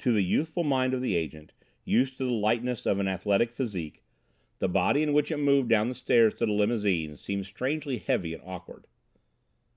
To the youthful mind of the Agent, used to the lightness of an athletic physique, the body in which it moved down the stairs to the limousine seemed strangely heavy and awkward.